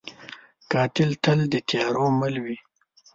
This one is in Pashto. قاتل تل د تیارو مل وي